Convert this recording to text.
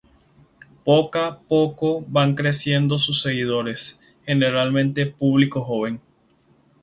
Poca poco van creciendo sus seguidores, generalmente público joven.